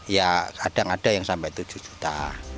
ya kadang ada yang sampai tujuh juta